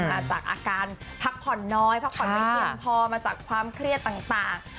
อาจจะอาการพักผ่อนน้อยพักผ่อนไม่เพียงพอมาจากความเครียดต่าง